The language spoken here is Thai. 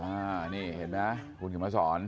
อ่านี่เห็นนะคุณกลุ่มมาสอน